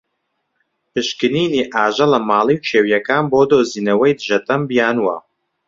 پشکنینی ئاژەڵە ماڵی و کێویەکان بۆ دۆزینەوەی دژەتەن بیانوە.